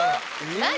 何？